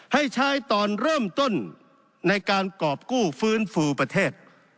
ให้ใช้ตอนเริ่มต้นในการกรอบกู้ฟื้นฟูประเทศ